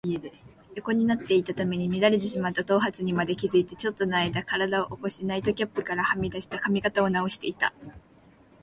横になっていたために乱れてしまった頭髪にまで気がついて、ちょっとのあいだ身体を起こし、ナイトキャップからはみ出た髪形をなおしていた。